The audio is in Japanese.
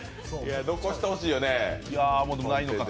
残してほしいよね。